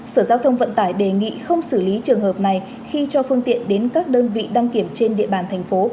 sở giao thông vận tải đề nghị không xử lý trường hợp này khi cho phương tiện đến các đơn vị đăng kiểm trên địa bàn thành phố